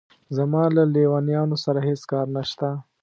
زما له لېونیانو سره هېڅ کار نشته.